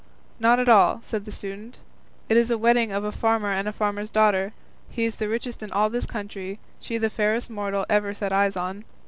"Not at all," said the student; "it is the wedding of a farmer and a farmer's daughter, he the richest in all this country, and she the fairest mortal ever set eyes on.